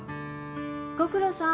ご苦労さん。